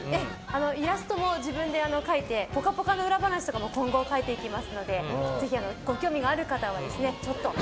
イラストを自分で描いて「ぽかぽか」の裏話とかも今後書いていきますのでぜひご興味がある方は。